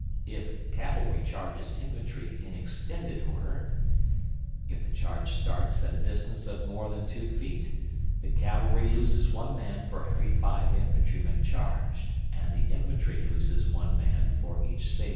If cavalry charges infantry in extended order If the charge starts at a distance of more than two feet, the cavalry loses one man for every five infantry men charged, and the infantry loses one man for each sabre charging.